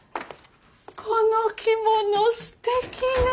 この着物すてきね。